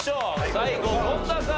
最後権田さん